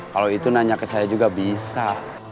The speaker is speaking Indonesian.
kalau itu nanya ke saya juga bisa